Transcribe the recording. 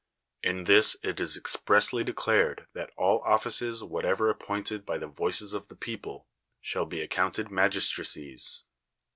In this it is expressly declared that all offices whatever appointed by the voices of the people shall be accounted magistracies.